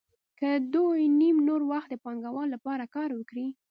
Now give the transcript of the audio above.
که دوی نیم نور وخت د پانګوال لپاره کار وکړي